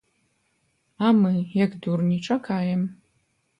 А мы, як дурні, чакаем.